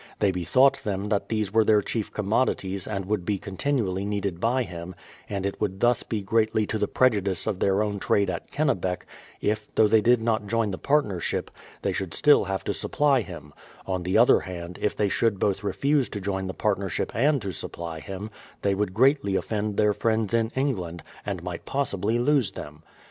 They bethought them that these were their chief commodities, and would be continually needed by him, and it would thus be greatly to the prejudice of their own trade at Kennebec, if, though they did not join the part nership, they should still have to supply him; on the other hand, if they should both refuse to join the partnership and to supply him, they would greatly offend their friends in England, and might possibly lose them.